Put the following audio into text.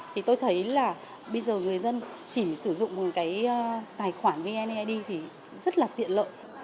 thì tôi thấy là bây giờ người dân chỉ sử dụng một cái tài khoản vned thì rất là tiện lợi